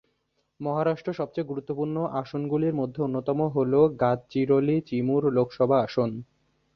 মহারাষ্ট্র সবচেয়ে গুরুত্বপূর্ণ আসনগুলির মধ্যে অন্যতম হল গাদচিরোলি-চিমুর লোকসভা আসন।